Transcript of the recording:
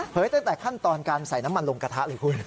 ตั้งแต่ขั้นตอนการใส่น้ำมันลงกระทะเลยคุณ